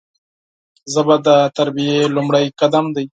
ژبه د تربیې لومړی قدم دی